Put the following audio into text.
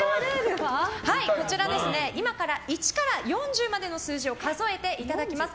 こちら、今から１から４０までの数字を数えていただきます。